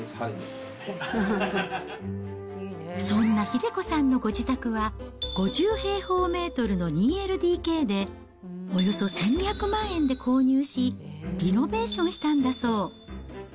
そんな英子さんのご自宅は、５０平方メートルの２ＬＤＫで、およそ１２００万円で購入し、リノベーションしたんだそう。